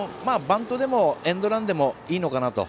バントでもエンドランでもいいのかなと。